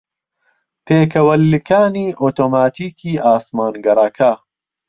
پێکەوەلکانی ئۆتۆماتیکیی ئاسمانگەڕەکە